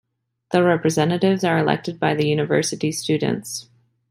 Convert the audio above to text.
The representatives are elected by the university students.